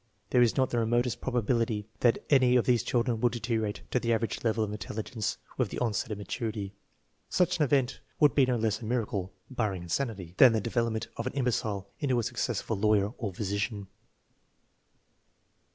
There is not the remotest probability that any INTELLIGENCE QUOTIENT SIGNIFICANCE 103 of these children will deteriorate to the average level of intelligence with the onset of maturity. Such an event would be no less a miracle (barring insanity) than the de velopment of an imbecile into a successful lawyer or physician.